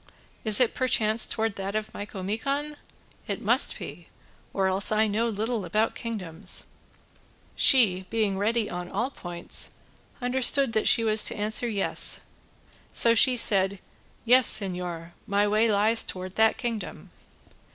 Is it perchance towards that of Micomicon? It must be, or else I know little about kingdoms." She, being ready on all points, understood that she was to answer "Yes," so she said "Yes, señor, my way lies towards that kingdom."